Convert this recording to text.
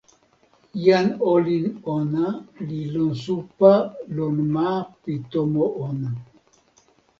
jan olin ona li lon supa lon ma pi tomo ona.